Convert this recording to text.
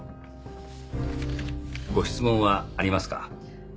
ご質問はありますか？